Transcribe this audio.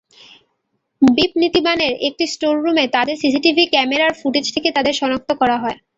বিপণিবিতানের একটি স্টোররুমের সিসিটিভি ক্যামেরার ফুটেজ থেকে তাঁদের শনাক্ত করা হয়।